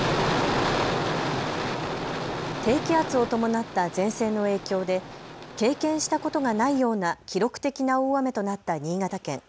低気圧を伴った前線の影響で経験したことがないような記録的な大雨となった新潟県。